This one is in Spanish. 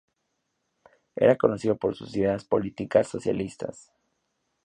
Era conocido por sus ideas políticas socialistas.